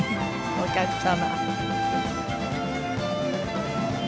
お客様。